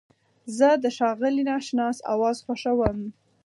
زه د ښاغلي ناشناس اواز خوښوم.